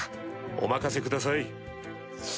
お任せください。